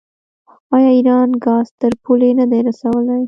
آیا ایران ګاز تر پولې نه دی رسولی؟